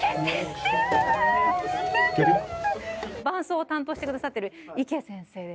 伴奏を担当してくださってる池先生。